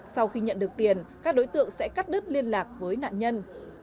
sau khi nhận được tiền các đối tượng sẽ cắt đứt liên lạc với nạn nhân